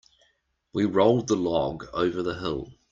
We rolled the log over the hill.